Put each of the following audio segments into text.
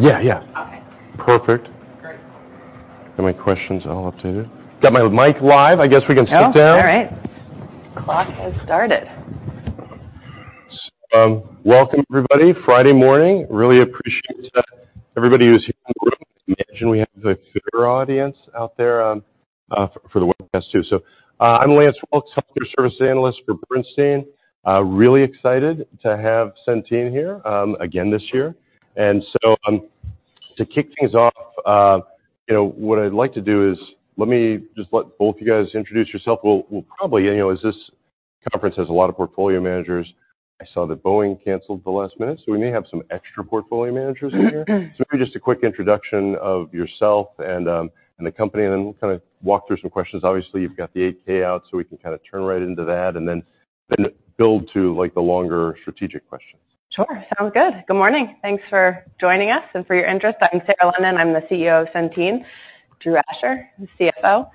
Yeah, yeah. Okay. Perfect. Great. Are my questions all updated? Got my mic live. I guess we can sit down. All right. Clock has started. So, welcome, everybody. Friday morning. Really appreciate that everybody who's here in the room. I imagine we have a bigger audience out there for the webcast, too. So, I'm Lance Wilkes, healthcare services analyst for Bernstein. Really excited to have Centene here again this year. And so, to kick things off, you know, what I'd like to do is let me just let both you guys introduce yourself. We'll probably, you know, as this conference has a lot of portfolio managers, I saw that Boeing canceled at the last minute, so we may have some extra portfolio managers in here. So maybe just a quick introduction of yourself and the company, and then we'll kind of walk through some questions. Obviously, you've got the 8-K out, so we can kind of turn right into that, and then build to, like, the longer strategic questions. Sure. Sounds good. Good morning. Thanks for joining us and for your interest. I'm Sarah London. I'm the CEO of Centene. Drew Asher, the CFO.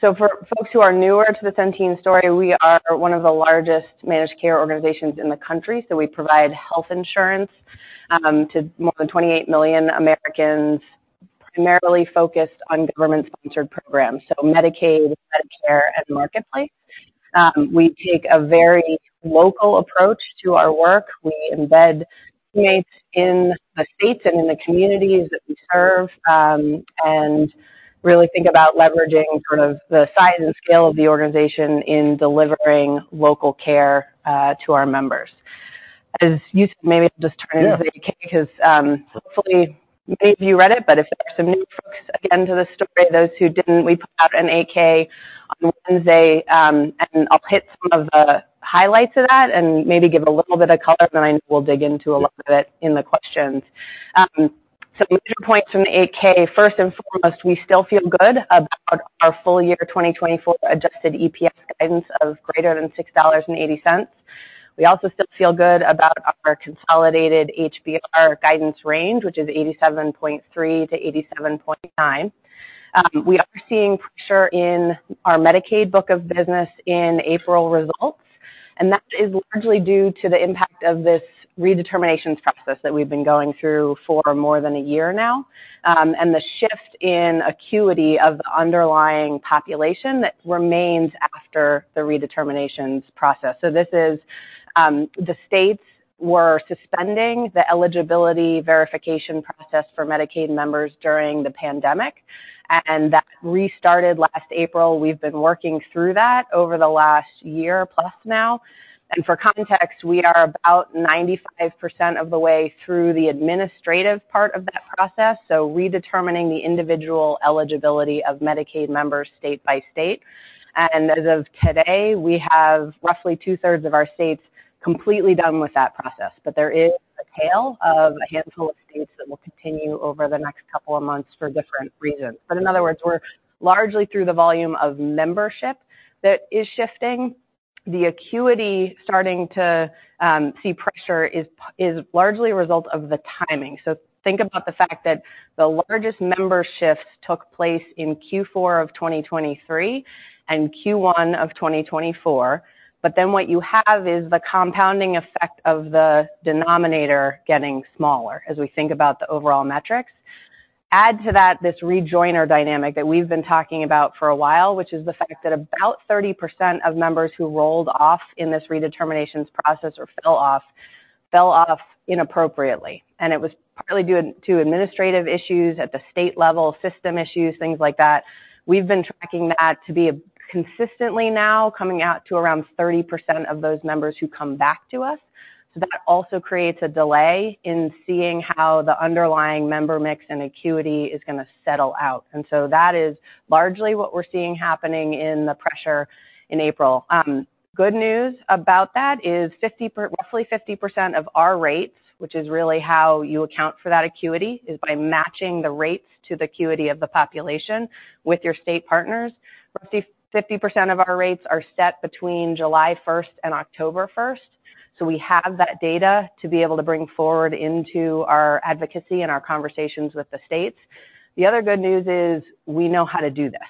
So for folks who are newer to the Centene story, we are one of the largest managed care organizations in the country, so we provide health insurance to more than 28 million Americans, primarily focused on government-sponsored programs, so Medicaid, Medicare, and Marketplace. We take a very local approach to our work. We embed teammates in the states and in the communities that we serve, and really think about leveraging sort of the size and scale of the organization in delivering local care to our members. As you said, maybe just turn into the- Yeah... 8-K, because hopefully, maybe you read it, but if there are some new folks, again, to the story, those who didn't, we put out a 8-K on Wednesday, and I'll hit some of the highlights of that and maybe give a little bit of color, but I know we'll dig into a lot of it in the questions. So a few points from the 8-K. First and foremost, we still feel good about our full year 2024 adjusted EPS guidance of greater than $6.80. We also still feel good about our consolidated HBR guidance range, which is 87.3%-87.9%. We are seeing pressure in our Medicaid book of business in April results, and that is largely due to the impact of this redeterminations process that we've been going through for more than a year now, and the shift in acuity of the underlying population that remains after the redeterminations process. So this is, the states were suspending the eligibility verification process for Medicaid members during the pandemic, and that restarted last April. We've been working through that over the last year plus now, and for context, we are about 95% of the way through the administrative part of that process, so redetermining the individual eligibility of Medicaid members state by state. And as of today, we have roughly two-thirds of our states completely done with that process. But there is a tail of a handful of states that will continue over the next couple of months for different reasons. But in other words, we're largely through the volume of membership that is shifting. The acuity starting to see pressure is largely a result of the timing. So think about the fact that the largest member shift took place in Q4 of 2023 and Q1 of 2024. But then what you have is the compounding effect of the denominator getting smaller as we think about the overall metrics. Add to that, this rejoiner dynamic that we've been talking about for a while, which is the fact that about 30% of members who rolled off in this redeterminations process or fell off fell off inappropriately, and it was partly due to administrative issues at the state level, system issues, things like that. We've been tracking that to be consistently now, coming out to around 30% of those members who come back to us. So that also creates a delay in seeing how the underlying member mix and acuity is gonna settle out. And so that is largely what we're seeing happening in the pressure in April. Good news about that is roughly 50% of our rates, which is really how you account for that acuity, is by matching the rates to the acuity of the population with your state partners. Roughly 50% of our rates are set between July 1 and October 1, so we have that data to be able to bring forward into our advocacy and our conversations with the states. The other good news is we know how to do this.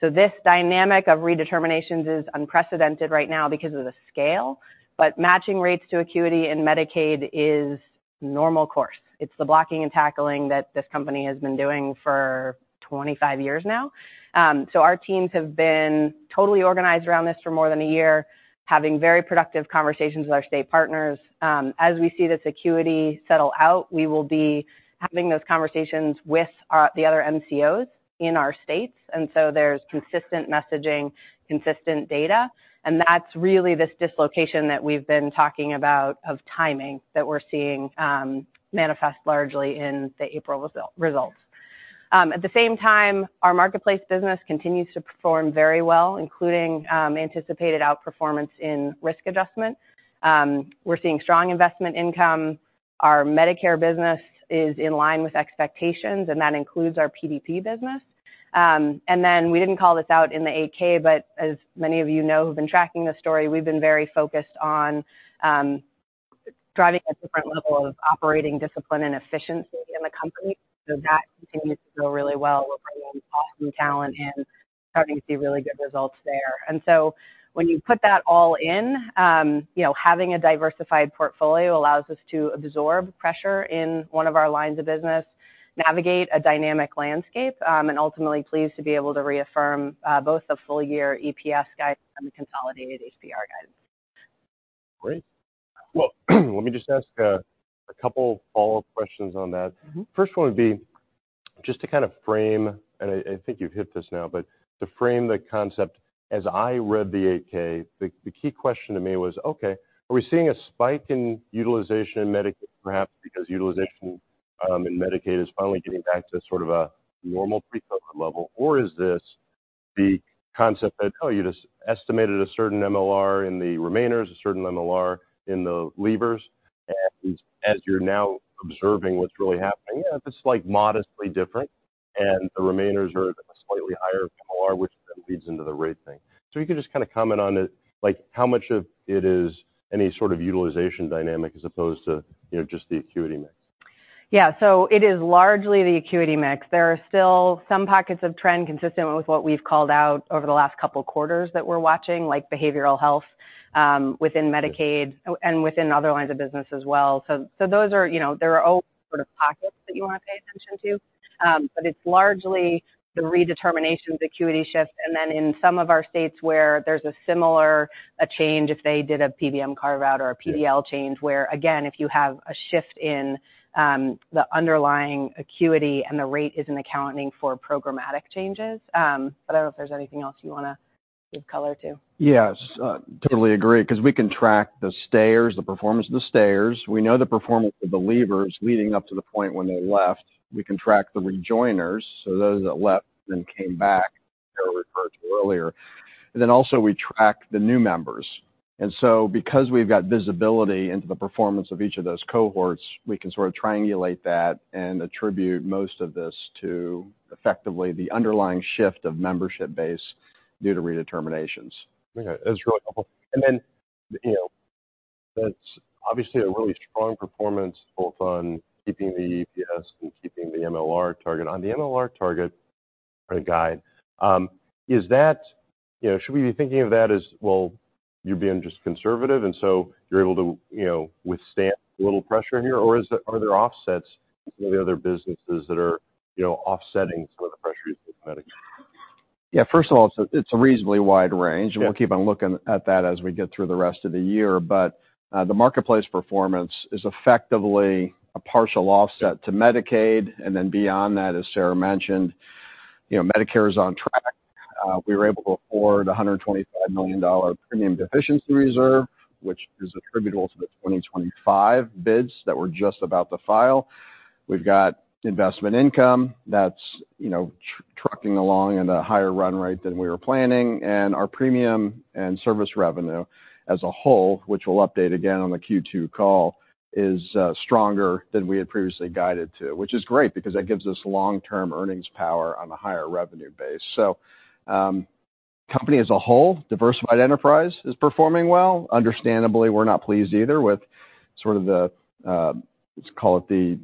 So this dynamic of redeterminations is unprecedented right now because of the scale, but matching rates to acuity in Medicaid is normal course. It's the blocking and tackling that this company has been doing for 25 years now. So our teams have been totally organized around this for more than a year, having very productive conversations with our state partners. As we see this acuity settle out, we will be having those conversations with our, the other MCOs in our states, and so there's consistent messaging, consistent data, and that's really this dislocation that we've been talking about of timing that we're seeing, manifest largely in the April results. At the same time, our Marketplace business continues to perform very well, including, anticipated outperformance in risk adjustment. We're seeing strong investment income. Our Medicare business is in line with expectations, and that includes our PDP business. And then we didn't call this out in the 8-K, but as many of you know, who've been tracking this story, we've been very focused on driving a different level of operating discipline and efficiency in the company, so that continues to go really well. We're bringing in awesome talent and starting to see really good results there. And so when you put that all in, you know, having a diversified portfolio allows us to absorb pressure in one of our lines of business, navigate a dynamic landscape, and ultimately pleased to be able to reaffirm both the full year EPS guide and the consolidated HBR guide. Great. Well, let me just ask a couple follow-up questions on that. Mm-hmm. First one would be just to kind of frame, and I think you've hit this now, but to frame the concept, as I read the 8-K, the key question to me was, okay, are we seeing a spike in utilization in Medicaid, perhaps because utilization in Medicaid is finally getting back to sort of a normal pre-COVID level? Or is this the concept that, oh, you just estimated a certain MLR in the remainers, a certain MLR in the leavers, and as you're now observing what's really happening, yeah, that's, like, modestly different, and the remainers are at a slightly higher MLR, which then feeds into the rate thing. So you could just kind of comment on it, like, how much of it is any sort of utilization dynamic as opposed to, you know, just the acuity mix? Yeah, so it is largely the acuity mix. There are still some pockets of trend consistent with what we've called out over the last couple quarters that we're watching, like behavioral health, within Medicaid, and within other lines of business as well. So, so those are, you know, there are all sort of pockets that you wanna pay attention to. But it's largely the redeterminations, acuity shift, and then in some of our states where there's a similar, change, if they did a PBM carve-out or a PDL change, where, again, if you have a shift in, the underlying acuity and the rate isn't accounting for programmatic changes. But I don't know if there's anything else you wanna give color to. Yes, totally agree, 'cause we can track the stayers, the performance of the stayers. We know the performance of the leavers leading up to the point when they left. We can track the rejoiners, so those that left then came back, or referred to earlier. And then also we track the new members. And so because we've got visibility into the performance of each of those cohorts, we can sort of triangulate that and attribute most of this to effectively the underlying shift of membership base due to redeterminations. Okay, that's really helpful. Then, you know, that's obviously a really strong performance, both on keeping the EPS and keeping the MLR target. On the MLR target for the guide, is that... You know, should we be thinking of that as, well, you're being just conservative, and so you're able to, you know, withstand a little pressure here? Or is it, are there offsets in the other businesses that are, you know, offsetting some of the pressures with Medicaid? Yeah, first of all, it's a reasonably wide range. Yeah. We'll keep on looking at that as we get through the rest of the year. But, the Marketplace performance is effectively a partial offset to Medicaid. And then beyond that, as Sarah mentioned, you know, Medicare is on track. We were able to afford a $125 million premium deficiency reserve, which is attributable to the 2025 bids that we're just about to file. We've got investment income that's, you know, trucking along at a higher run rate than we were planning, and our premium and service revenue as a whole, which we'll update again on the Q2 call, is, stronger than we had previously guided to. Which is great, because that gives us long-term earnings power on a higher revenue base. So, company as a whole, diversified enterprise is performing well. Understandably, we're not pleased either with sort of the, let's call it the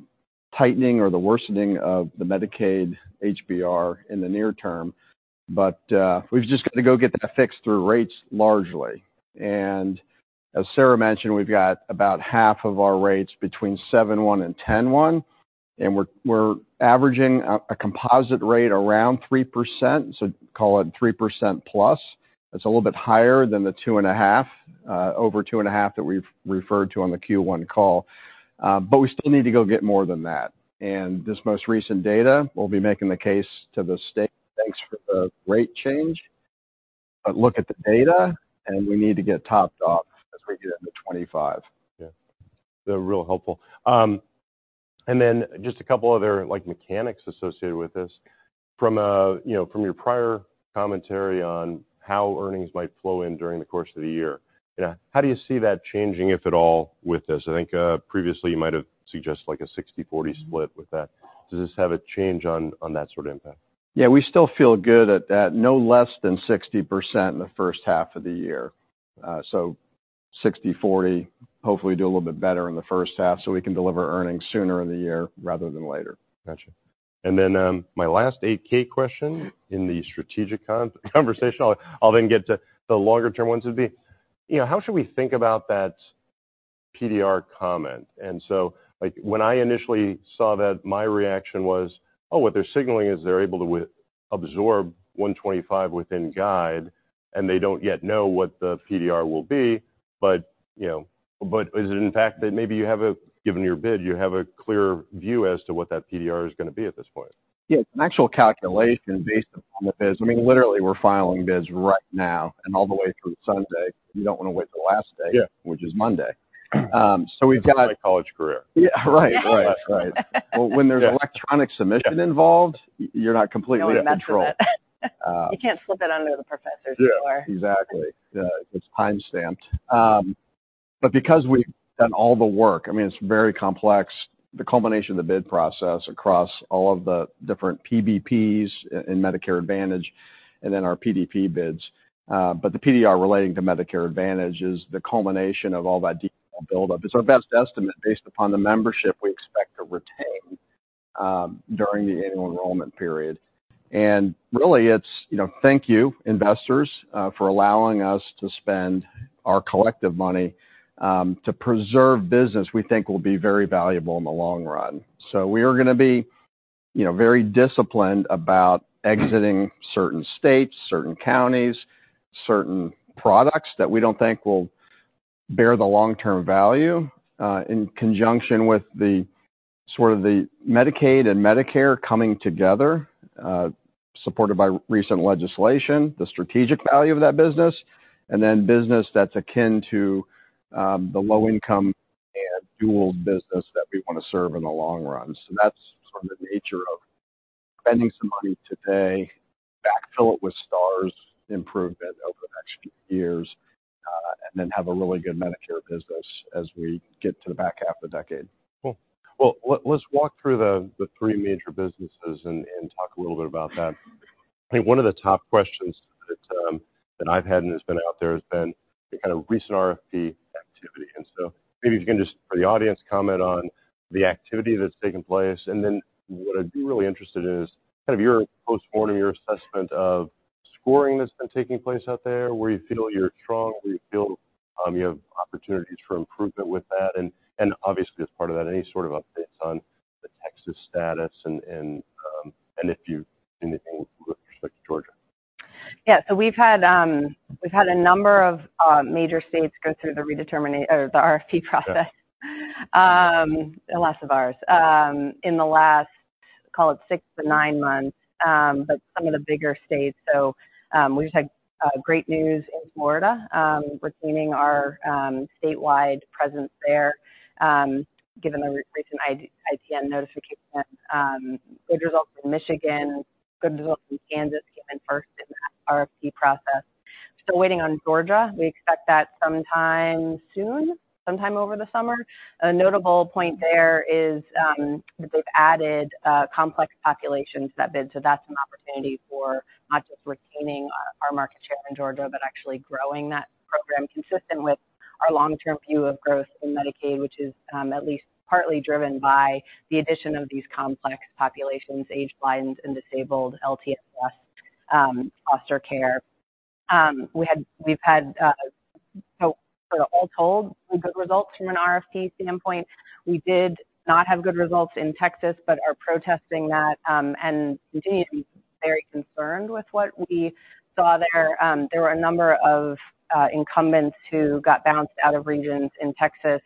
tightening or the worsening of the Medicaid HBR in the near term, but, we've just got to go get that fixed through rates largely. And as Sarah mentioned, we've got about half of our rates between 7/1 and 10/1, and we're averaging a composite rate around 3%, so call it 3%+. It's a little bit higher than the 2.5, over 2.5 that we've referred to on the Q1 call. But we still need to go get more than that. And this most recent data, we'll be making the case to the state. Thanks for the rate change, but look at the data, and we need to get topped off as we get into 2025. Yeah, they're real helpful. And then just a couple other, like, mechanics associated with this. From, you know, from your prior commentary on how earnings might flow in during the course of the year, yeah, how do you see that changing, if at all, with this? I think, previously you might have suggested, like, a 60/40 split with that. Does this have a change on that sort of impact? Yeah, we still feel good at that. No less than 60% in the first half of the year. So 60/40, hopefully do a little bit better in the first half so we can deliver earnings sooner in the year rather than later. Gotcha. Then, my last 8-K question in the strategic conversation, I'll then get to the longer term ones, would be, you know, how should we think about that PDR comment? And so, like, when I initially saw that, my reaction was, oh, what they're signaling is they're able to absorb $125 within guide, and they don't yet know what the PDR will be. But, you know, but is it in fact that maybe you have a... Given your bid, you have a clearer view as to what that PDR is gonna be at this point? Yeah, it's an actual calculation based upon the bids. I mean, literally, we're filing bids right now and all the way through Sunday. You don't wanna wait the last day- Yeah... which is Monday. So we've got- My college career. Yeah, right. Right. Right. Well, when there's electronic submission involved, you're not completely in control. No way around that. Uh- You can't slip it under the professor's door. Yeah. Exactly. Yeah, it's time-stamped. But because we've done all the work, I mean, it's very complex, the culmination of the bid process across all of the different PBPs in Medicare Advantage, and then our PDP bids. But the PDR relating to Medicare Advantage is the culmination of all that detail buildup. It's our best estimate based upon the membership we expect to retain during the annual enrollment period. And really, it's, you know, thank you, investors, for allowing us to spend our collective money to preserve business we think will be very valuable in the long run. So we are gonna be, you know, very disciplined about exiting certain states, certain counties, certain products that we don't think will bear the long-term value, in conjunction with the sort of the Medicaid and Medicare coming together, supported by recent legislation, the strategic value of that business, and then business that's akin to, the low-income and dual business that we wanna serve in the long run. So that's sort of the nature of spending some money today, backfill it with Stars improvement over the next few years, and then have a really good Medicare business as we get to the back half of the decade. Cool. Well, let's walk through the three major businesses and talk a little bit about that. I think one of the top questions that I've had, and that's been out there, has been the kind of recent RFP activity. And so maybe if you can just, for the audience, comment on the activity that's taken place. And then what I'd be really interested in is kind of your postmortem, your assessment of scoring that's been taking place out there, where you feel you're strong, where you feel you have opportunities for improvement with that. And obviously, as part of that, any sort of updates on the Texas status and if you anything with respect to Georgia. Yeah. So we've had a number of major states go through the redeterminations or the RFP process, a loss of ours, in the last, call it 6-9 months, but some of the bigger states. So we just had great news in Florida, retaining our statewide presence there, given the recent ITN notification. Good results in Michigan, good results in Kansas, came in first in that RFP process. Still waiting on Georgia. We expect that sometime soon, sometime over the summer. A notable point there is that they've added complex populations to that bid, so that's an opportunity for not just retaining our market share in Georgia, but actually growing that program consistent with our long-term view of growth in Medicaid, which is at least partly driven by the addition of these complex populations, Aged, Blind, and Disabled, LTSS, foster care. We've had, so all told, some good results from an RFP standpoint. We did not have good results in Texas, but are protesting that and continue to be very concerned with what we saw there. There were a number of incumbents who got bounced out of regions in Texas,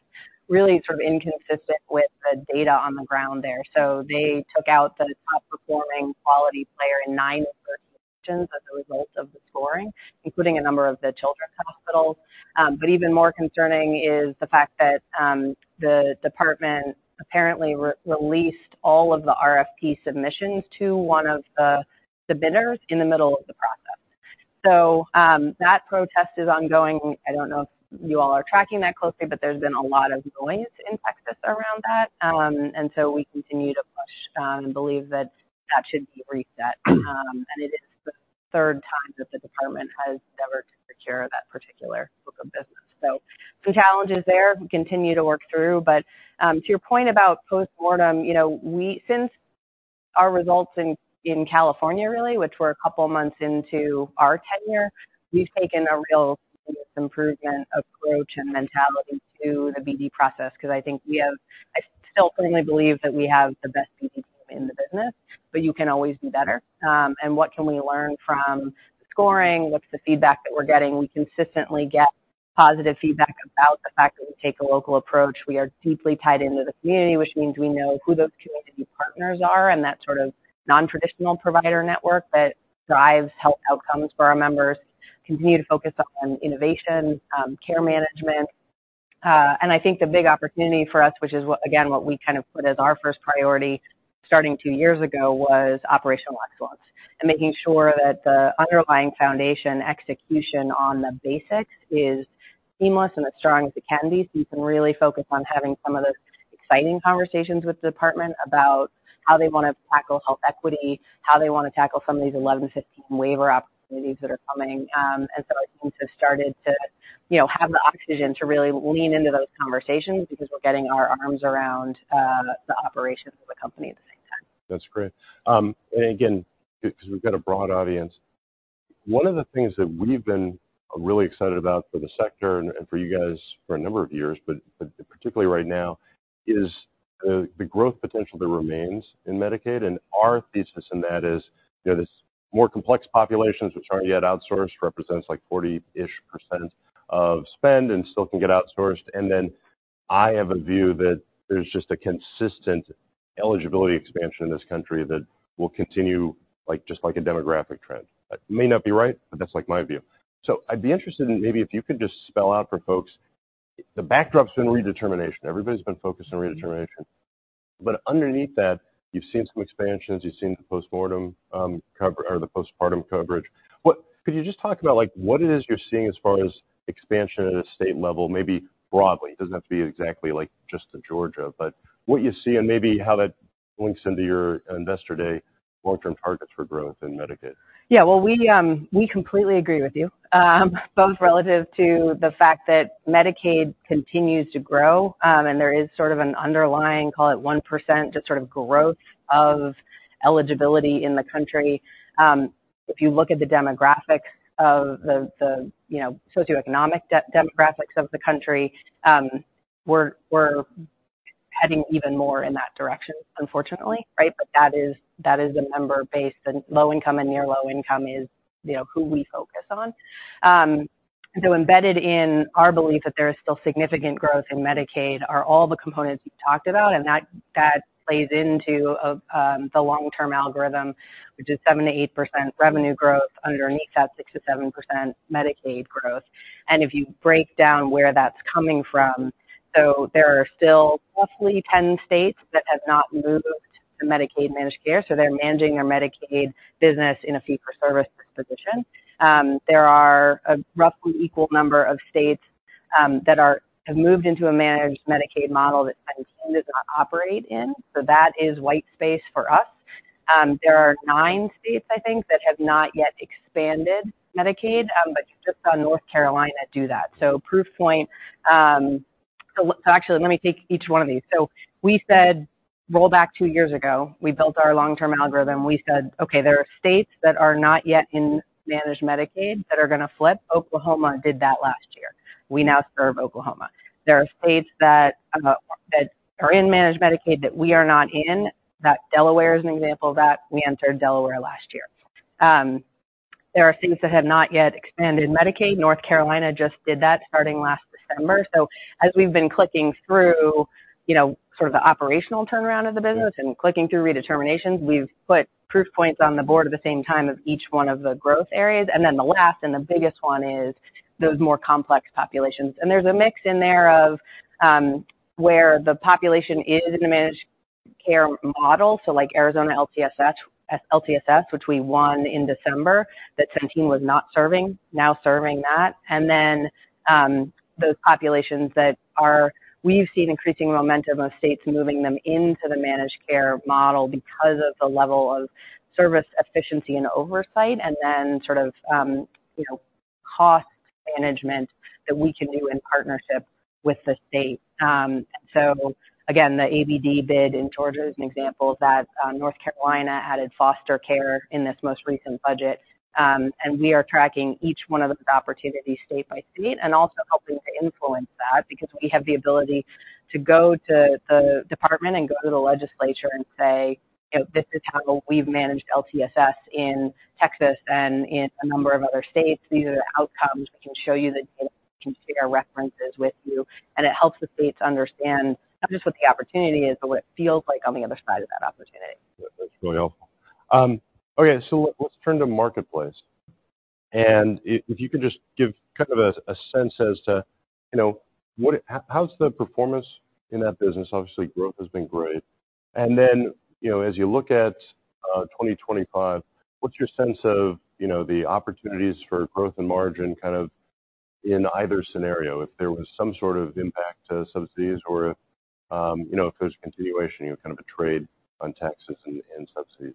really sort of inconsistent with the data on the ground there. So they took out the top performing quality player in 9 of those regions as a result of the scoring, including a number of the children's hospitals. But even more concerning is the fact that the department apparently re-released all of the RFP submissions to one of the bidders in the middle of the process. So that protest is ongoing. I don't know if you all are tracking that closely, but there's been a lot of noise in Texas around that. And so we continue to push and believe that that should be reset. And it is the third time that the department has endeavored to secure that particular book of business. So some challenges there we continue to work through. But, to your point about postmortem, you know, we—since our results in California, really, which were a couple of months into our tenure, we've taken a real improvement approach and mentality to the BD process, 'cause I think we have—I still firmly believe that we have the best BD team in the business, but you can always do better. And what can we learn from the scoring? What's the feedback that we're getting? We consistently get positive feedback about the fact that we take a local approach. We are deeply tied into the community, which means we know who those community partners are, and that sort of nontraditional provider network that drives health outcomes for our members, continue to focus on innovation, care management. And I think the big opportunity for us, which is what, again, what we kind of put as our first priority starting two years ago, was operational excellence, and making sure that the underlying foundation, execution on the basics, is seamless and as strong as it can be, so you can really focus on having some of those exciting conversations with the department about how they wanna tackle health equity, how they wanna tackle some of these 1115 waiver opportunities that are coming. And so I think we've started to, you know, have the oxygen to really lean into those conversations because we're getting our arms around the operations of the company at the same time. That's great. And again, because we've got a broad audience, one of the things that we've been really excited about for the sector and for you guys for a number of years, but particularly right now, is the growth potential that remains in Medicaid. And our thesis in that is, you know, this more complex populations, which aren't yet outsourced, represents, like, 40-ish% of spend and still can get outsourced. And then I have a view that there's just a consistent eligibility expansion in this country that will continue, like, just like a demographic trend. That may not be right, but that's, like, my view. So I'd be interested in maybe if you could just spell out for folks, the backdrop's been redetermination. Everybody's been focused on redetermination, but underneath that, you've seen some expansions, you've seen the postpartum coverage. Could you just talk about, like, what it is you're seeing as far as expansion at a state level, maybe broadly? It doesn't have to be exactly like just to Georgia, but what you see and maybe how that links into your investor day long-term targets for growth in Medicaid. Yeah, well, we completely agree with you, both relative to the fact that Medicaid continues to grow, and there is sort of an underlying, call it 1%, just sort of growth of eligibility in the country. If you look at the demographics of the, you know, socioeconomic demographics of the country, we're heading even more in that direction, unfortunately, right? But that is a member base, and low-income and near low-income is, you know, who we focus on. So embedded in our belief that there is still significant growth in Medicaid are all the components you talked about, and that plays into the long-term algorithm, which is 7%-8% revenue growth, underneath that, 6%-7% Medicaid growth. If you break down where that's coming from, so there are still roughly 10 states that have not moved to Medicaid managed care, so they're managing their Medicaid business in a fee-for-service position. There are a roughly equal number of states that have moved into a managed Medicaid model that Centene does not operate in, so that is white space for us. There are 9 states, I think, that have not yet expanded Medicaid, but you just saw North Carolina do that. So proof point... So actually, let me take each one of these. So we said, roll back 2 years ago, we built our long-term algorithm. We said, "Okay, there are states that are not yet in managed Medicaid that are gonna flip." Oklahoma did that last year. We now serve Oklahoma. There are states that are in managed Medicaid that we are not in, that Delaware is an example of that. We entered Delaware last year. There are states that have not yet expanded Medicaid. North Carolina just did that starting last December. So as we've been clicking through, you know, sort of the operational turnaround of the business and clicking through redeterminations, we've put proof points on the board at the same time of each one of the growth areas. And then the last and the biggest one is those more complex populations. And there's a mix in there of, where the population is in a managed care model, so like Arizona LTSS, which we won in December, that Centene was not serving, now serving that. And then those populations that we've seen increasing momentum of states moving them into the managed care model because of the level of service, efficiency, and oversight, and then sort of, you know, cost management that we can do in partnership with the state. So again, the ABD bid in Georgia is an example of that. North Carolina added foster care in this most recent budget. And we are tracking each one of those opportunities state by state and also helping to influence that, because we have the ability to go to the department and go to the legislature and say, "You know, this is how we've managed LTSS in Texas and in a number of other states. These are the outcomes. We can show you the data, we can share references with you." It helps the states understand not just what the opportunity is, but what it feels like on the other side of that opportunity. That's really helpful. Okay, so let's turn to Marketplace. And if you can just give kind of a sense as to, you know, what it... How's the performance in that business? Obviously, growth has been great. And then, you know, as you look at 2025, what's your sense of, you know, the opportunities for growth and margin, kind of in either scenario, if there was some sort of impact to subsidies or if, you know, if there's a continuation, you know, kind of a trade on taxes and subsidies?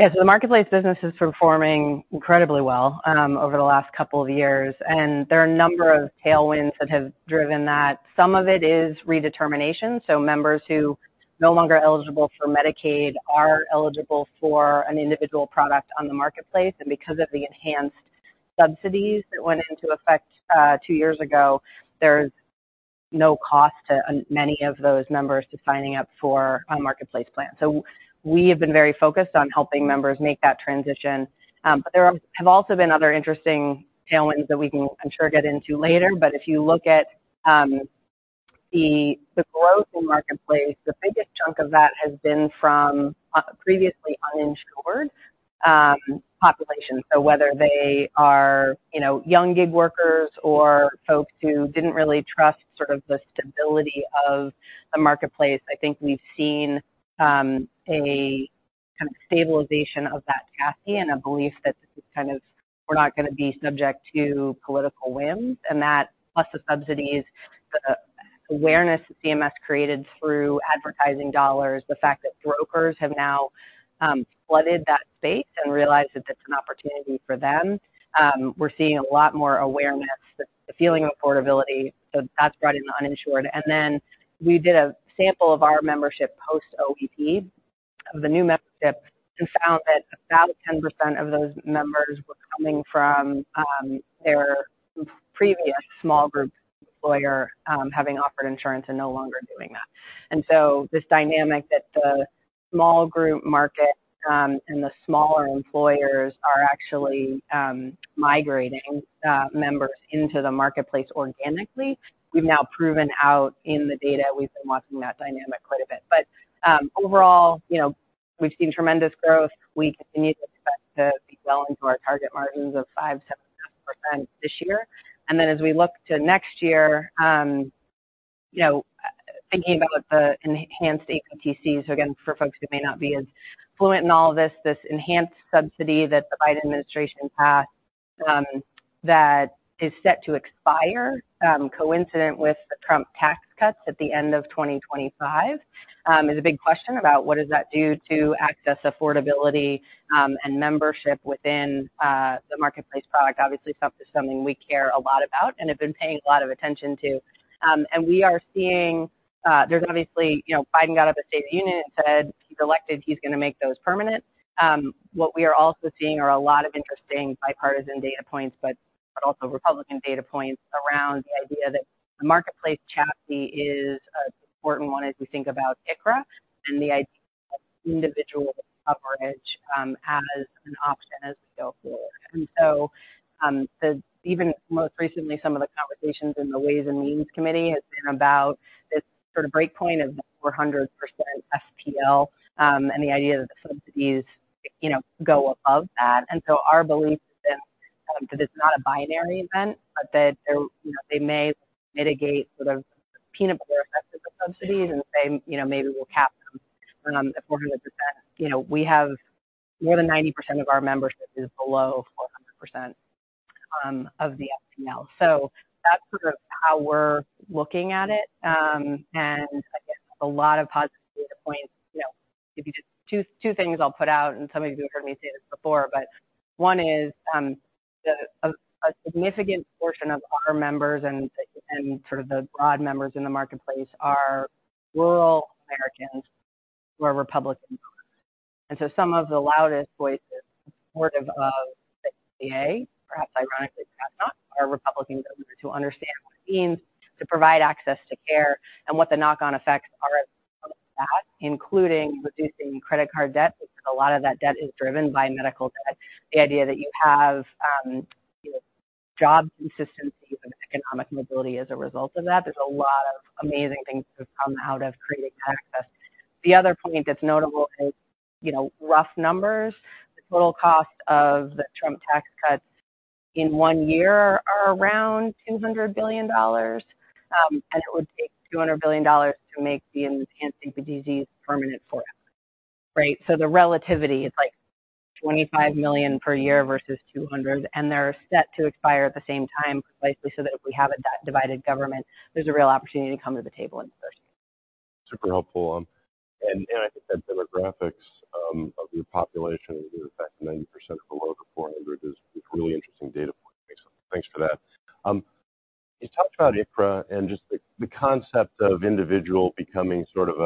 Yeah. So the Marketplace business is performing incredibly well over the last couple of years, and there are a number of tailwinds that have driven that. Some of it is redetermination. So members who no longer eligible for Medicaid are eligible for an individual product on the Marketplace, and because of the enhanced subsidies that went into effect two years ago, there's no cost to many of those members to signing up for a Marketplace plan. So we have been very focused on helping members make that transition. But there have also been other interesting tailwinds that we can I'm sure get into later. But if you look at the growth in Marketplace, the biggest chunk of that has been from previously uninsured populations. So whether they are, you know, young gig workers or folks who didn't really trust sort of the stability of the Marketplace, I think we've seen a kind of stabilization of that chassis and a belief that kind of we're not gonna be subject to political whims, and that plus the subsidies, the, the awareness that CMS created through advertising dollars, the fact that brokers have now flooded that space and realized that it's an opportunity for them, we're seeing a lot more awareness, the, the feeling of affordability. So that's brought in the uninsured. And then we did a sample of our membership post OEP, of the new membership, and found that about 10% of those members were coming from their previous small group employer having offered insurance and no longer doing that. And so this dynamic that the small group market, and the smaller employers are actually, migrating, members into the Marketplace organically, we've now proven out in the data. We've been watching that dynamic quite a bit. But, overall, you know, we've seen tremendous growth. We continue to expect to be well into our target margins of 5%-7% this year. And then as we look to next year, you know, thinking about the enhanced APTC, so again, for folks who may not be as fluent in all this, this enhanced subsidy that the Biden administration passed, that is set to expire, coincident with the Trump tax cuts at the end of 2025, is a big question about what does that do to access affordability, and membership within, the Marketplace product. Obviously, something, something we care a lot about and have been paying a lot of attention to. And we are seeing, there's obviously, you know, Biden got up at State of the Union and said, if he's elected, he's going to make those permanent. What we are also seeing are a lot of interesting bipartisan data points, but, but also Republican data points around the idea that the Marketplace chassis is an important one as we think about ICHRA and the idea of individual coverage as an option as we go forward. And so, the even most recently, some of the conversations in the Ways and Means Committee has been about this sort of breakpoint of 400% FPL, and the idea that the subsidies, you know, go above that. And so our belief is that it's not a binary event, but that, you know, they may mitigate sort of the peanut butter effect of the subsidies and say, you know, maybe we'll cap them at 400%. You know, we have more than 90% of our membership is below 400% of the FPL. So that's sort of how we're looking at it. And again, a lot of positive data points, you know, if you just two things I'll put out, and some of you have heard me say this before, but one is, a significant portion of our members and sort of the broad members in the Marketplace are rural Americans who are Republican voters. So some of the loudest voices supportive of the ACA, perhaps ironically, perhaps not, are Republican voters who understand what it means to provide access to care and what the knock-on effects are of that, including reducing credit card debt, because a lot of that debt is driven by medical debt. The idea that you have, you know, job consistency and economic mobility as a result of that, there's a lot of amazing things that have come out of creating access. The other point that's notable is, you know, rough numbers. The total cost of the Trump tax cuts in one year are around $200 billion, and it would take $200 billion to make the enhanced APTCs permanent for it, right? The relativity is like $25 million per year versus $200, and they're set to expire at the same time, precisely so that if we have it, that divided government, there's a real opportunity to come to the table and discuss. Super helpful. I think that demographics of your population, in fact, 90% or below the 400 is really interesting data point. Thanks for that. You talked about ICHRA and just the concept of individual becoming sort of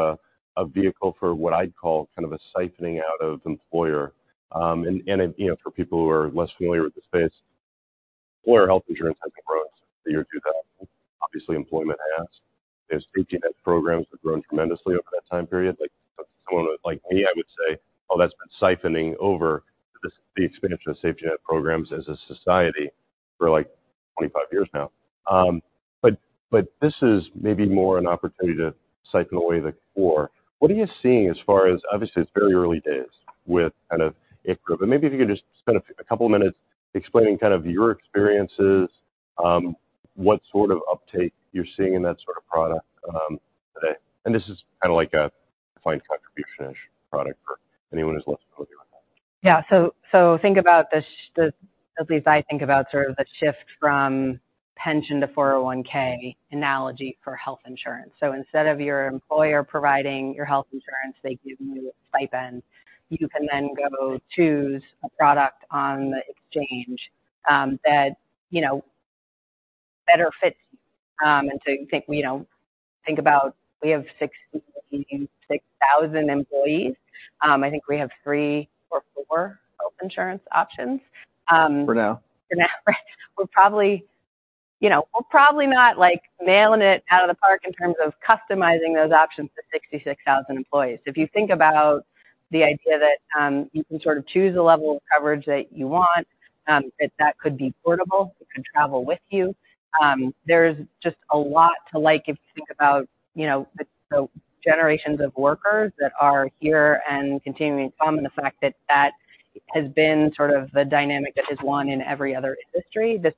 a vehicle for what I'd call kind of a siphoning out of employer. You know, for people who are less familiar with the space, employer health insurance hasn't grown since the year 2000. Obviously, employment has. There's safety net programs have grown tremendously over that time period. Like, someone like me, I would say, Oh, that's been siphoning over the expansion of safety net programs as a society for, like, 25 years now. But this is maybe more an opportunity to siphon away the core. What are you seeing as far as... Obviously, it's very early days with kind of ICHRA, but maybe if you could just spend a couple of minutes explaining kind of your experiences, what sort of uptake you're seeing in that sort of product. And this is kind of like a defined contribution edge product for anyone who's less familiar with that. Yeah. So think about the shift from pension to 401(k) analogy for health insurance. So instead of your employer providing your health insurance, they give you a stipend. You can then go choose a product on the exchange that, you know, better fits you. And so you think, you know, think about we have 66,000 employees. I think we have three or four health insurance options. For now. For now, right. We're probably, you know, we're probably not, like, nailing it out of the park in terms of customizing those options to 66,000 employees. If you think about the idea that you can sort of choose a level of coverage that you want, that that could be portable, it can travel with you. There's just a lot to like if you think about, you know, the generations of workers that are here and continuing to come, and the fact that that has been sort of the dynamic that has won in every other industry. This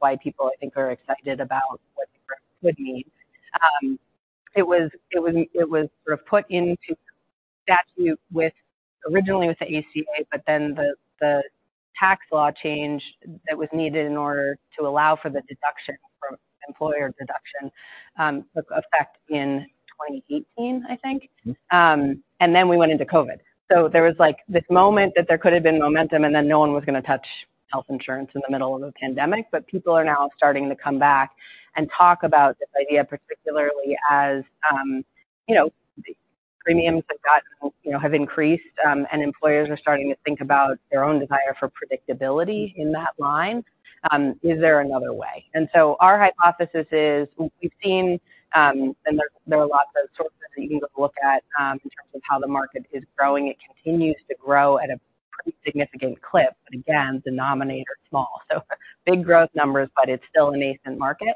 is why people, I think, are excited about what the growth would mean. It was sort of put into statute with, originally with the ACA, but then the tax law change that was needed in order to allow for the deduction from employer deduction, took effect in 2018, I think. And then we went into COVID. So there was like this moment that there could have been momentum, and then no one was going to touch health insurance in the middle of a pandemic. But people are now starting to come back and talk about this idea, particularly as, you know, premiums have gotten, you know, have increased, and employers are starting to think about their own desire for predictability in that line. Is there another way? And so our hypothesis is, we've seen, and there are lots of sources that you can go look at, in terms of how the market is growing. It continues to grow at a pretty significant clip, but again, denominator small. So big growth numbers, but it's still a nascent market.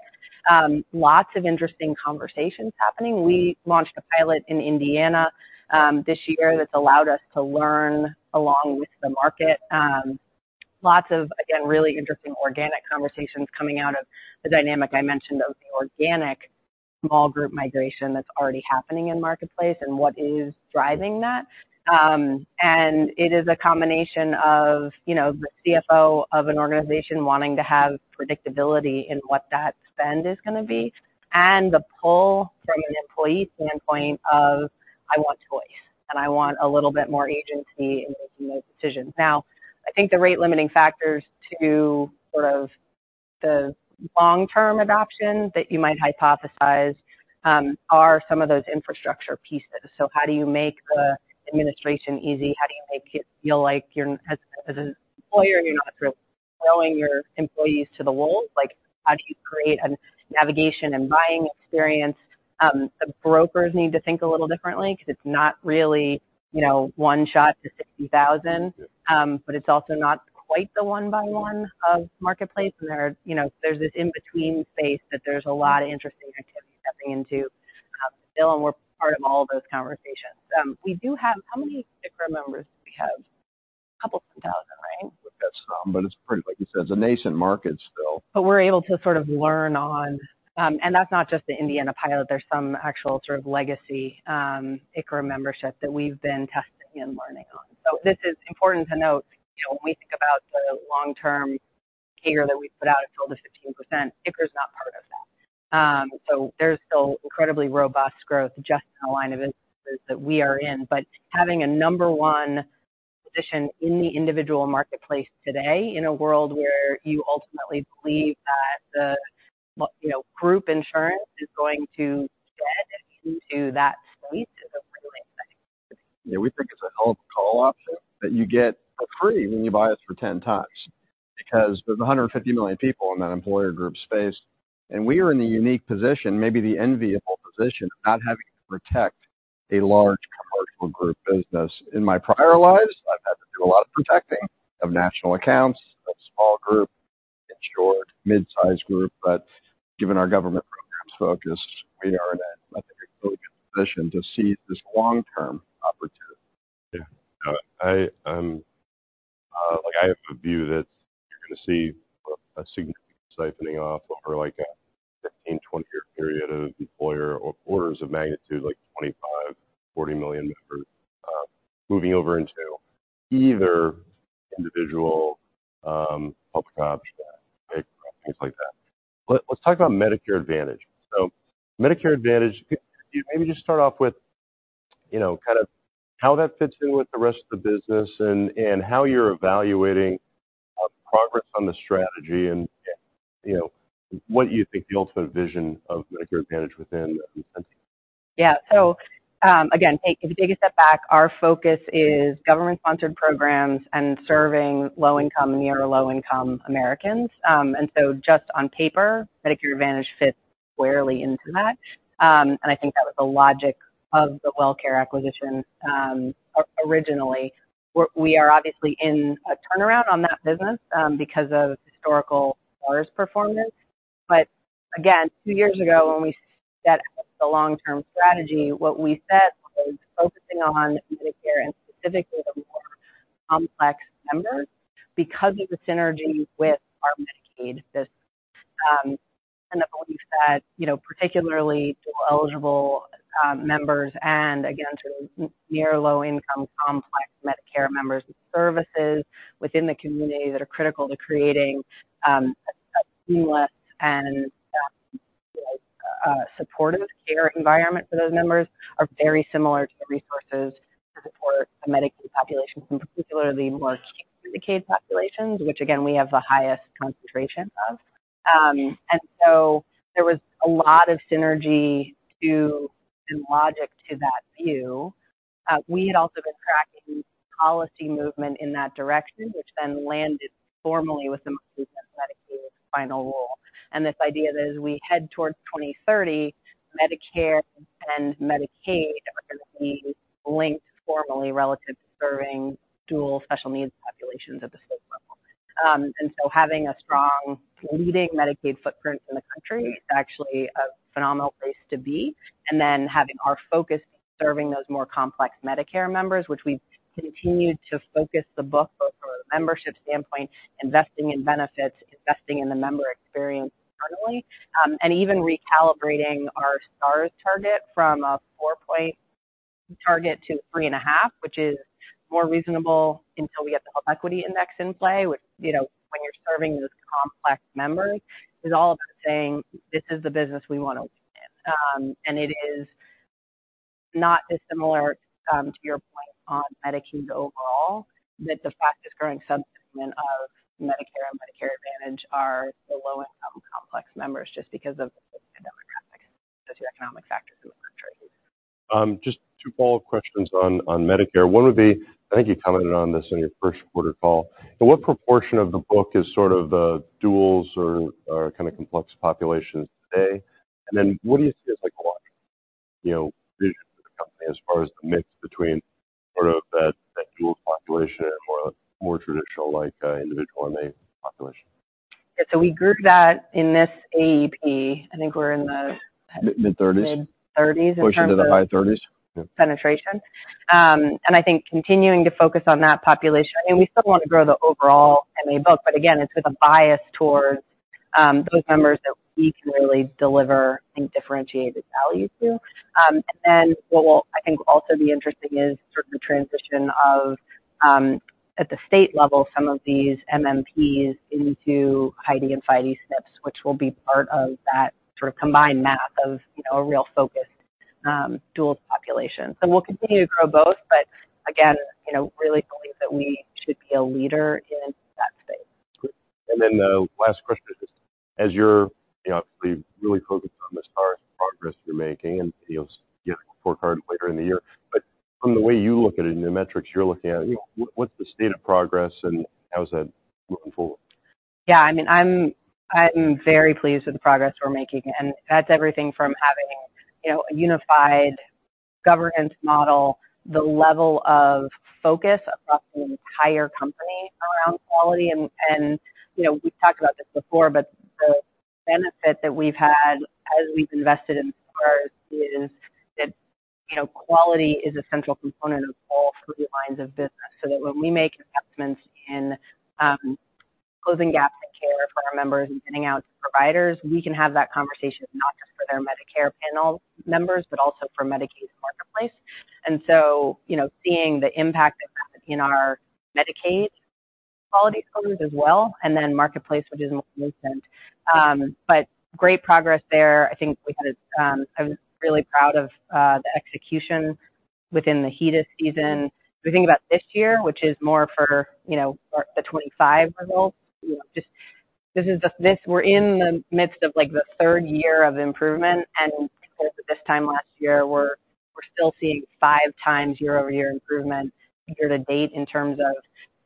Lots of interesting conversations happening. We launched a pilot in Indiana this year that's allowed us to learn along with the market. Lots of, again, really interesting organic conversations coming out of the dynamic I mentioned of the organic small group migration that's already happening in Marketplace and what is driving that. And it is a combination of, you know, the CFO of an organization wanting to have predictability in what that spend is gonna be, and the pull from an employee standpoint of, I want choice, and I want a little bit more agency in making those decisions. Now, I think the rate-limiting factors to sort of the long-term adoption that you might hypothesize are some of those infrastructure pieces. So how do you make the administration easy? How do you make it feel like you're, as an employer, you're not throwing your employees to the wolves? Like, how do you create a navigation and buying experience? The brokers need to think a little differently because it's not really, you know, one shot to 60,000, but it's also not quite the one by one of Marketplace. And there are, you know, there's this in-between space that there's a lot of interesting activity stepping into, and we're part of all those conversations. We do have how many ICHRA members do we have? A couple thousand, right? That's pretty, like you said, it's a nascent market still. But we're able to sort of learn on, and that's not just the Indiana pilot. There's some actual sort of legacy, ICHRA membership that we've been testing and learning on. So this is important to note, you know, when we think about the long-term figure that we've put out until the 15%, ICHRA is not part of that. So there's still incredibly robust growth just in the line of businesses that we are in. But having a number one position in the individual Marketplace today, in a world where you ultimately believe that the, well, you know, group insurance is going to get into that space is really exciting. Yeah, we think it's a hell of a call option that you get for free when you buy us for 10x. Because there's 150 million people in that employer group space, and we are in the unique position, maybe the enviable position, of not having to protect a large commercial group business. In my prior lives, I've had to do a lot of protecting of national accounts, of small group, insured, mid-sized group. But given our government programs focus, we are in a, I think, a really good position to see this long-term opportunity. Yeah, I have a view that you're going to see a significant siphoning off over, like, a 15-20-year period of employer or orders of magnitude, like 25-40 million members moving over into either individual public options, things like that. Let's talk about Medicare Advantage. So Medicare Advantage, maybe just start off with, you know, kind of how that fits in with the rest of the business, and how you're evaluating progress on the strategy and, you know, what you think the ultimate vision of Medicare Advantage within Centene. Yeah. So, again, if you take a step back, our focus is government-sponsored programs and serving low-income, near or low-income Americans. And so just on paper, Medicare Advantage fits squarely into that. And I think that was the logic of the WellCare acquisition, originally. We are obviously in a turnaround on that business, because of historical Stars performance. But again, two years ago, when we set the long-term strategy, what we set was focusing on Medicare and specifically the more complex members, because of the synergy with our Medicaid business. And the belief that, you know, particularly dual-eligible members and again, to near low-income, complex Medicare members, services within the community that are critical to creating, a seamless and, supportive care environment for those members are very similar to the resources to support the Medicaid populations, and particularly more Medicaid populations, which again, we have the highest concentration of. And so there was a lot of synergy to, and logic to that view. We had also been tracking policy movement in that direction, which then landed formally with the Medicaid final rule. And this idea that as we head towards 2030, Medicare and Medicaid are going to be linked formally relative to serving dual special needs populations at the state level. And so having a strong leading Medicaid footprint in the country is actually a phenomenal place to be. Having our focus serving those more complex Medicare members, which we've continued to focus the book, both from a membership standpoint, investing in benefits, investing in the member experience internally, and even recalibrating our Stars target from a 4-point target to 3.5, which is more reasonable until we get the Health Equity Index in play, which, you know, when you're serving those complex members, is all about saying: This is the business we want to win. And it is not dissimilar to your point on Medicaid overall, that the fastest growing segment of Medicare and Medicare Advantage are the low-income, complex members, just because of the demographic and socioeconomic factors in the country. Just two follow-up questions on Medicare. One would be, I think you commented on this in your first quarter call, but what proportion of the book is sort of the duals or kind of complex populations today? And then what do you see as, like, long-term, you know, vision for the company as far as the mix between sort of that dual population and more traditional, like, individual MA population? So we grouped that in this AEP. I think we're in the- Mid-thirties. Mid-thirties. Pushing to the high 30s. Penetration. I think continuing to focus on that population, I mean, we still want to grow the overall MA book, but again, it's with a bias towards- ... those members that we can really deliver and differentiated value to. And then what will, I think, also be interesting is sort of the transition of, at the state level, some of these MMPs into HIDE and FIDE SNPs, which will be part of that sort of combined math of, you know, a real focused, dual population. So we'll continue to grow both, but again, you know, really believe that we should be a leader in that space. Great. And then the last question is, as you're, you know, obviously really focused on the Stars progress you're making, and, you know, get a scorecard later in the year, but from the way you look at it and the metrics you're looking at, you know, what, what's the state of progress and how is that moving forward? Yeah, I mean, I'm very pleased with the progress we're making, and that's everything from having, you know, a unified governance model, the level of focus across the entire company around quality. And, you know, we've talked about this before, but the benefit that we've had as we've invested in Stars is that, you know, quality is a central component of all three lines of business. So that when we make adjustments in closing gaps in care for our members and sending out to providers, we can have that conversation not just for their Medicare panel members, but also for Medicaid Marketplace. And so, you know, seeing the impact it's having on our Medicaid quality codes as well, and then Marketplace, which is recent. But great progress there. I think I'm really proud of the execution within the HEDIS season. If we think about this year, which is more for, you know, the 25 results, you know, just this is the—this, we're in the midst of, like, the third year of improvement, and at this time last year, we're, we're still seeing five times year-over-year improvement year-to-date in terms of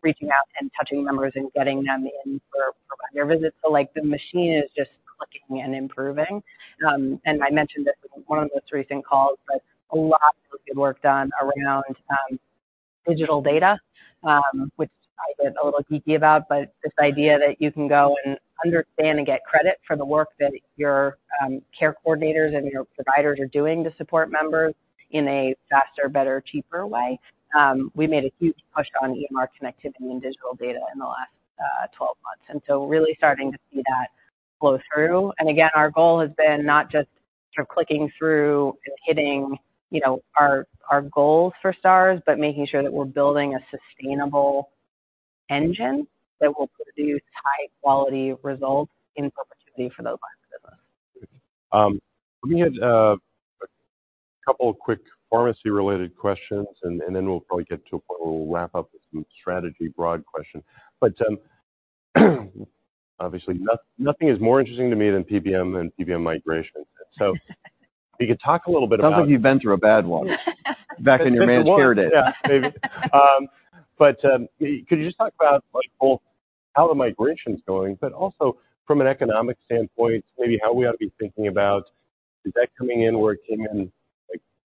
reaching out and touching members and getting them in for provider visits. So, like, the machine is just clicking and improving. And I mentioned this in one of those recent calls, but a lot of good work done around digital data, which I get a little geeky about, but this idea that you can go and understand and get credit for the work that your care coordinators and your providers are doing to support members in a faster, better, cheaper way. We made a huge push on EMR connectivity and digital data in the last 12 months, and so we're really starting to see that flow through. And again, our goal has been not just sort of clicking through and hitting, you know, our goals for Stars, but making sure that we're building a sustainable engine that will produce high quality results in perpetuity for those lines of business. Let me hit a couple of quick pharmacy-related questions, and then we'll probably get to a point where we'll wrap up with some strategy broad question. But, obviously, nothing is more interesting to me than PBM and PBM migration. So if you could talk a little bit about- Sounds like you've been through a bad one back in your managed care days. Yeah, maybe. But could you just talk about, like, both how the migration is going, but also from an economic standpoint, maybe how we ought to be thinking about, is that coming in, where it came in,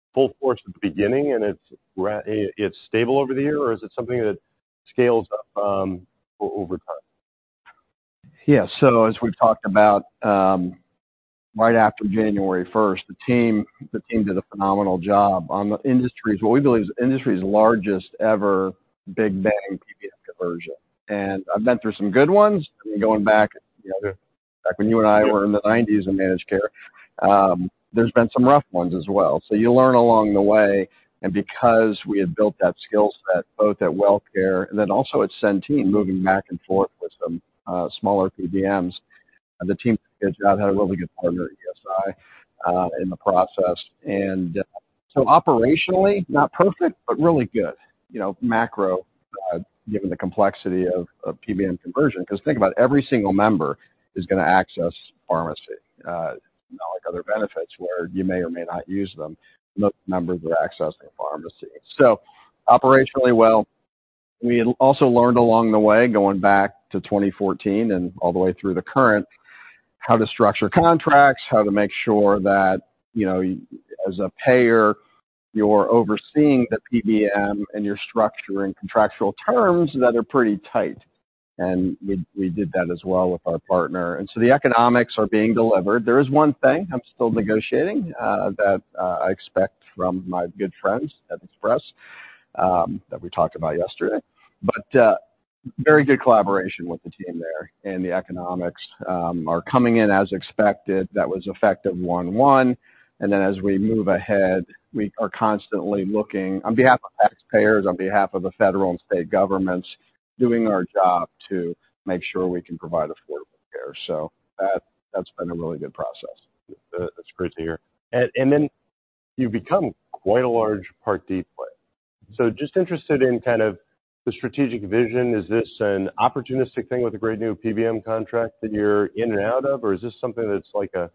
like, full force at the beginning and it's stable over the year, or is it something that scales up over time? Yeah. So as we've talked about, right after January first, the team did a phenomenal job on the industry's, what we believe is industry's largest ever big bang PBM conversion. And I've been through some good ones, going back, you know, back when you and I were in the nineties in managed care. There's been some rough ones as well. So you learn along the way, and because we had built that skill set, both at WellCare and then also at Centene, moving back and forth with some smaller PBMs, the team has had a really good partner at ESI in the process. And so operationally, not perfect, but really good. You know, macro, given the complexity of PBM conversion, because think about it, every single member is gonna access pharmacy, not like other benefits where you may or may not use them. Most members are accessing pharmacy. So operationally, well, we also learned along the way, going back to 2014 and all the way through the current, how to structure contracts, how to make sure that, you know, as a payer, you're overseeing the PBM and you're structuring contractual terms that are pretty tight. And we did that as well with our partner. And so the economics are being delivered. There is one thing I'm still negotiating, that I expect from my good friends at Express, that we talked about yesterday. But, very good collaboration with the team there, and the economics are coming in as expected. That was effective 1/1. Then as we move ahead, we are constantly looking on behalf of taxpayers, on behalf of the federal and state governments, doing our job to make sure we can provide affordable care. That, that's been a really good process. That's great to hear. And then you've become quite a large Part D player. So just interested in kind of the strategic vision. Is this an opportunistic thing with a great new PBM contract that you're in and out of? Or is this something that's like a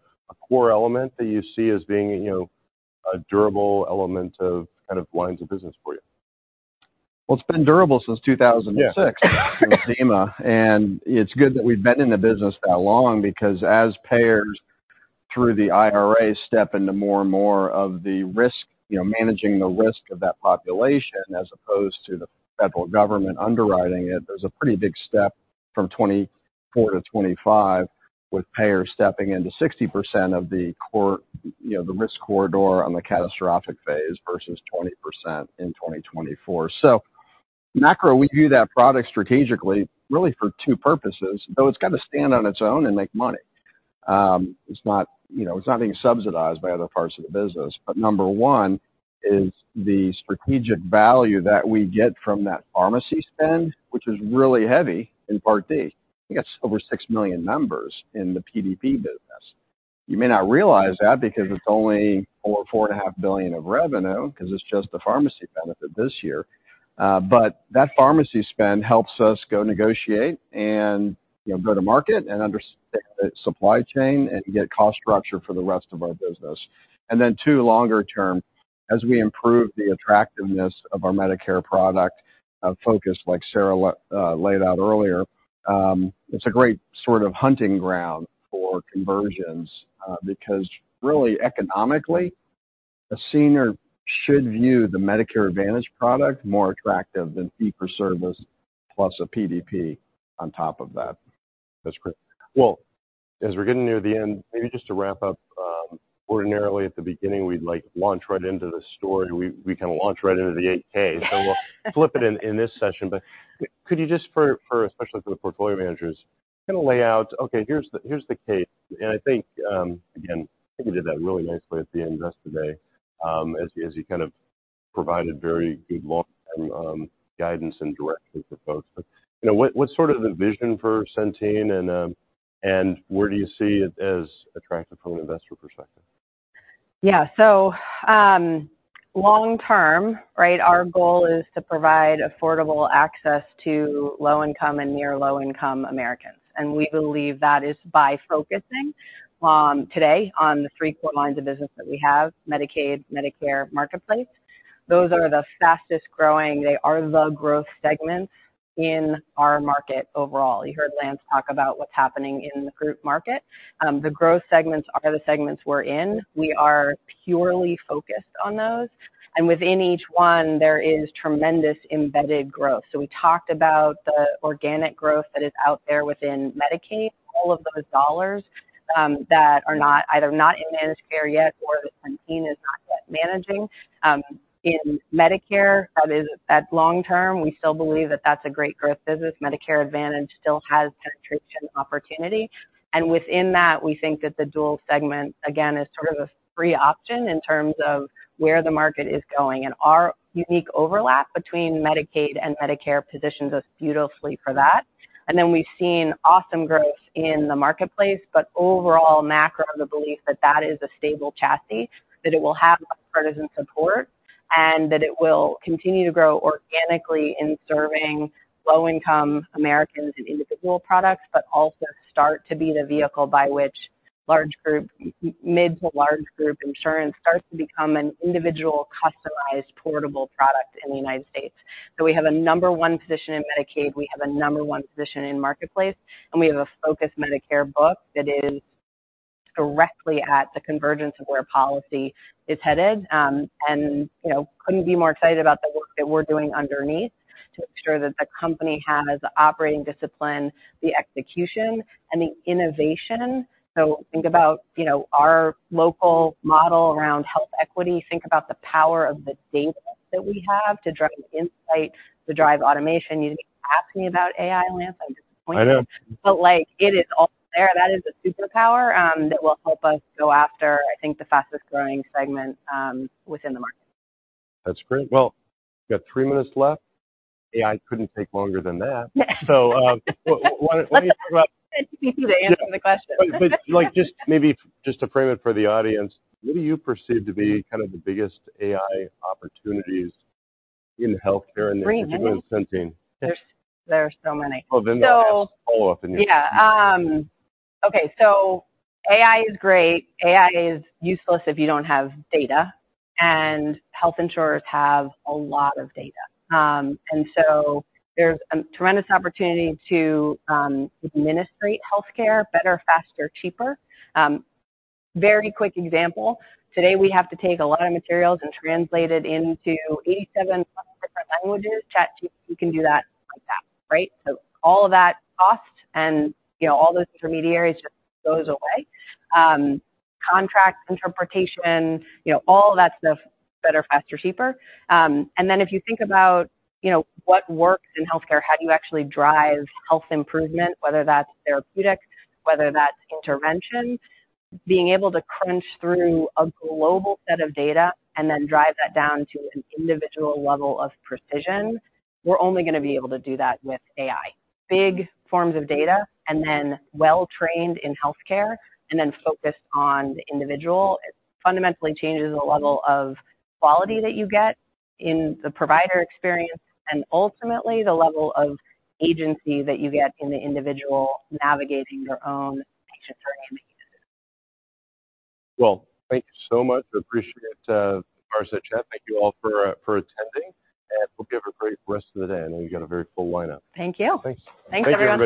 core element that you see as being, you know, a durable element of kind of lines of business for you? Well, it's been durable since 2006- Yeah. with the MMA, and it's good that we've been in the business that long, because as payers through the IRA step into more and more of the risk, you know, managing the risk of that population, as opposed to the federal government underwriting it, there's a pretty big step from 2024 to 2025, with payers stepping into 60% of the core, you know, the risk corridor on the catastrophic phase versus 20% in 2024. So ... Macro, we view that product strategically, really for two purposes, though it's got to stand on its own and make money. It's not, you know, it's not being subsidized by other parts of the business. But number one is the strategic value that we get from that pharmacy spend, which is really heavy in Part D. I think it's over 6 million members in the PDP business. You may not realize that because it's only over $4.5 billion of revenue, 'cause it's just the pharmacy benefit this year. But that pharmacy spend helps us go negotiate and, you know, go to market and own the supply chain and get cost structure for the rest of our business. And then, two, longer term, as we improve the attractiveness of our Medicare product, focus, like Sarah laid out earlier, it's a great sort of hunting ground for conversions. Because really, economically, a senior should view the Medicare Advantage product more attractive than fee-for-service, plus a PDP on top of that. Well, as we're getting near the end, maybe just to wrap up, ordinarily, at the beginning, we'd like launch right into the story. We kinda launch right into the 8-K. So we'll flip it in this session. But could you just for especially for the portfolio managers, kinda lay out, okay, here's the case. I think, again, I think you did that really nicely at the end of yesterday, as you kind of provided very good long guidance and direction for folks. But, you know, what, what's sort of the vision for Centene, and where do you see it as attractive from an investor perspective? Yeah, so, long term, right, our goal is to provide affordable access to low-income and near low-income Americans, and we believe that is by focusing, today on the three core lines of business that we have, Medicaid, Medicare, Marketplace. Those are the fastest growing. They are the growth segments in our market overall. You heard Lance talk about what's happening in the group market. The growth segments are the segments we're in. We are purely focused on those, and within each one, there is tremendous embedded growth. So we talked about the organic growth that is out there within Medicaid. All of those dollars, that are not either not in managed care yet or that Centene is not yet managing, in Medicare, that is, that long term, we still believe that that's a great growth business. Medicare Advantage still has penetration opportunity, and within that, we think that the dual segment, again, is sort of a free option in terms of where the market is going. And our unique overlap between Medicaid and Medicare positions us beautifully for that. And then we've seen awesome growth in the Marketplace, but overall, macro, the belief that that is a stable chassis, that it will have partisan support, and that it will continue to grow organically in serving low-income Americans in individual products, but also start to be the vehicle by which large group-mid- to large group insurance starts to become an individual, customized, portable product in the United States. So we have a number one position in Medicaid, we have a number one position in Marketplace, and we have a focused Medicare book that is directly at the convergence of where policy is headed. And, you know, couldn't be more excited about the work that we're doing underneath to ensure that the company has the operating discipline, the execution, and the innovation. So think about, you know, our local model around health equity. Think about the power of the data that we have to drive insight, to drive automation. You ask me about AI, Lance, I'm just- I know. But, like, it is all there. That is a superpower, that will help us go after, I think, the fastest growing segment, within the market. That's great. Well, we've got three minutes left. AI couldn't take longer than that. So, why don't you talk about- Easy to answer the question. But, like, just maybe just to frame it for the audience, what do you perceive to be kind of the biggest AI opportunities in healthcare and in Centene? There are so many. Well, then the follow-up. Yeah. Okay, so AI is great. AI is useless if you don't have data, and health insurers have a lot of data. And so there's a tremendous opportunity to administrate healthcare better, faster, cheaper. Very quick example, today we have to take a lot of materials and translate it into 87 different languages. ChatGPT can do that, right? So all of that cost and, you know, all those intermediaries just goes away. Contract interpretation, you know, all that stuff, better, faster, cheaper. And then if you think about, you know, what works in healthcare, how do you actually drive health improvement, whether that's therapeutic, whether that's intervention, being able to crunch through a global set of data and then drive that down to an individual level of precision, we're only gonna be able to do that with AI. Big forms of data and then well trained in healthcare, and then focused on the individual. It fundamentally changes the level of quality that you get in the provider experience, and ultimately, the level of agency that you get in the individual navigating their own patient journey. Well, thank you so much. I appreciate our chat. Thank you all for attending, and we'll give a great rest of the day. I know you got a very full lineup. Thank you. Thanks. Thanks, everyone.